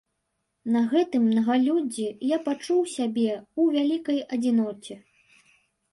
На гэтым мнагалюддзі я пачуў сябе ў вялікай адзіноце.